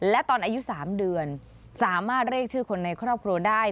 และตอนอายุ๓เดือนสามารถเรียกชื่อคนในครอบครัวได้